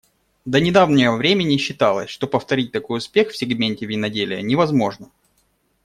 До недавнего времени считалось, что повторить такой успех в сегменте виноделия невозможно.